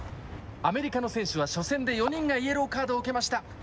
アメリカの選手は初戦で４人がイエローカードを受けました。